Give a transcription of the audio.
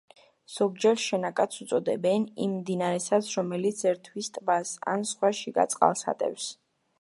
ზოგჯერ შენაკადს უწოდებენ იმ მდინარესაც, რომელიც ერთვის ტბას ან სხვა შიგა წყალსატევს.